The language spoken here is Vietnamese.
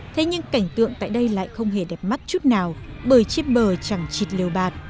thế nhưng cảnh tượng tại đây lại không hề đẹp mắt chút nào bởi chiếc bờ chẳng chịt liều bạt